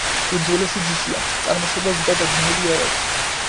უძველესი ჯიშია, წარმოშობა ზუსტად დადგენილი არ არის.